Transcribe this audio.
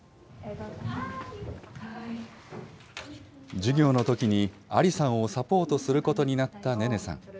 授業のときに、アリさんをサポートすることになったネネさん。